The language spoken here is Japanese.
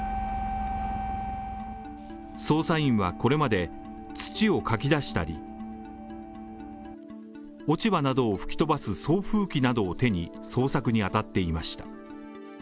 捜査員はこれまで、土をかき出したり落ち葉などを吹き飛ばす送風機などを手に捜索にあたっていました。